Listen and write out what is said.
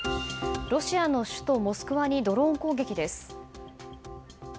ロシアの首都モスクワにドローン攻撃です。